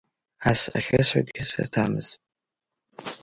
Ас ахьысҳәогьы саҭамыз.